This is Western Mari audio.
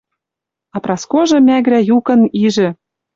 А Праскожы мӓгӹра юкын ижӹ